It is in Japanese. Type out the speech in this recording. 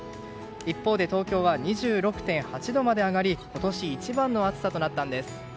一方で東京は２６．８度まで上がり今年一番の暑さとなったんです。